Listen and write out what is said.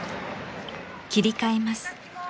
［「切り替えます」